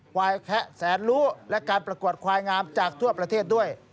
ควายแคะแสนรู้และการประกวดควายงามจากทั่วประเทศด้วย